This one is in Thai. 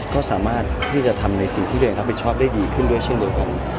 ก็สามารถที่จะทำในสิ่งที่ตัวเองรับผิดชอบได้ดีขึ้นด้วยเช่นเดียวกัน